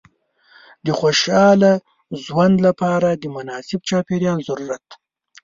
د خوشحاله ژوند لپاره د مناسب چاپېریال ضرورت دی.